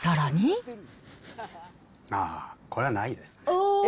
ああ、これはないです。